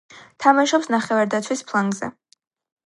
თამაშობს ნახევარდაცვის ფლანგზე.